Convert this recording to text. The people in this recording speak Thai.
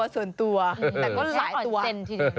ส่วนตัวแต่ก็หลายตัว